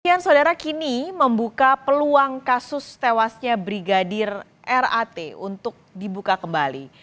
kepolisian saudara kini membuka peluang kasus tewasnya brigadir r a t untuk dibuka kembali